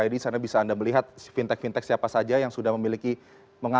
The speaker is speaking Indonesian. di sana bisa anda melihat fintech fintech siapa saja yang sudah memiliki